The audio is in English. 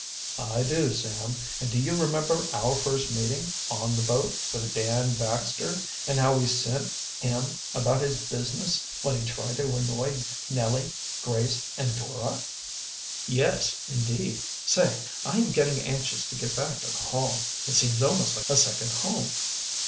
"I do, Sam; and do you remember our first meeting, on the boat, with Dan Baxter, and how we sent him about his business when he tried to annoy Nellie, and Grace, and Dora?" "Yes, indeed. Say, I am getting anxious to get back to the Hall. It seems almost like a second home."